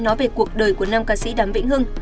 nói về cuộc đời của nam ca sĩ đàm vĩnh hưng